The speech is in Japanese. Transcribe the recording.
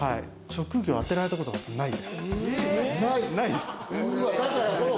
職業を当てられたことがないです。